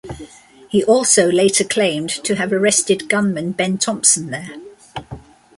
He also later claimed to have arrested gunman Ben Thompson there.